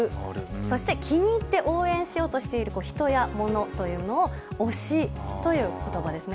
そして、気に入って応援しようとする人や物に対しての「推し」という言葉ですね。